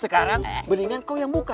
sekarang mendingan kau yang buka